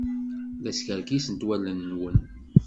La skerkisent wallen-nwen.